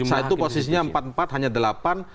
satu posisinya empat empat hanya delapan